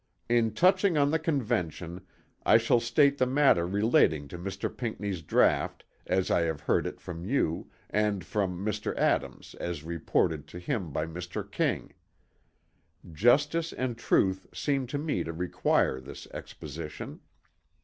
"In touching on the Convention, I shall state the matter relating to Mr. Pinckney's draught, as I have heard it from you, and from Mr. Adams as reported to him by Mr. King. Justice and truth seem to me to require this exposition.